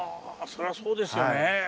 そりゃそうですよね。